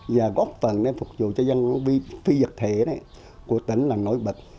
và góp phần để phục vụ cho dân phi vật thể của tỉnh là nổi bật